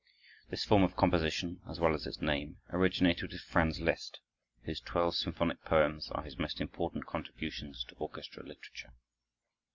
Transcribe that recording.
This form of composition, as well as its name, originated with Franz Liszt, whose twelve "Symphonic Poems" are his most important contributions to orchestra literature.